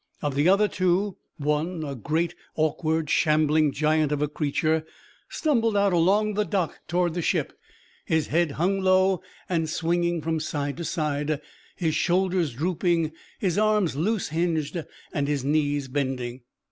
Of the other two, one, a great awkward shambling giant of a creature, stumbled out along the dock toward the ship, his head hung low and swinging from side to side, his shoulders drooping, his arms loose hinged, his knees bending.